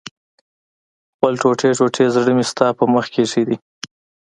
خپل ټوټې ټوټې زړه مې ستا په مخ کې ايښی دی